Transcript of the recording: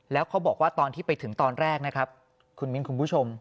แล้วเขาบอกว่าตอนที่ไปถึงตอนแรกนะครับคุณมิ้นคุณผู้ชม